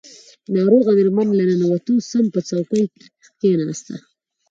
ناروغه مېرمن له ننوتو سم په څوکۍ کښېناسته.